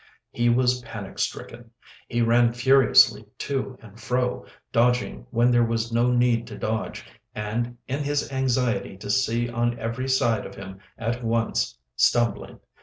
He was panic stricken. He ran furiously to and fro, dodging when there was no need to dodge, and, in his anxiety to see on every side of him at once, stumbling.